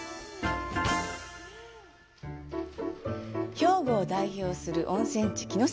兵庫を代表する温泉地・城崎。